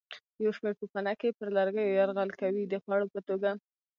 یو شمېر پوپنکي پر لرګیو یرغل کوي د خوړو په توګه.